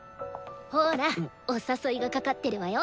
ほらお誘いがかかってるわよ。